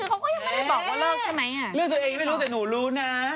คือเขาก็ยังไม่ได้บอกว่าเลิกใช่ไหมอ่ะเรื่องตัวเองไม่รู้แต่หนูรู้นะ